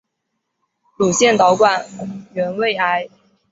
乳腺导管原位癌。